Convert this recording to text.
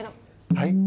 はい？